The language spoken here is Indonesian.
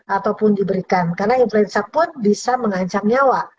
ataupun diberikan karena influenza pun bisa mengancam nyawa